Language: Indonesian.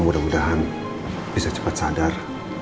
mudah mudahan bisa cepat sadar